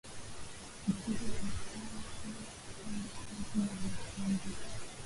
Batoto bana funda masomo paka mu kaji ya mashamba